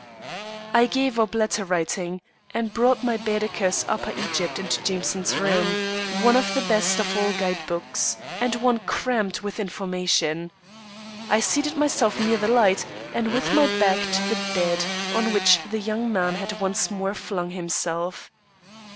I gave up letter writing, and brought my Baedeker's Upper Egypt into Jameson's room, one of the best of all guide books, and one crammed with information. I seated myself near the light, and with my back to the bed, on which the young man had once more flung himself.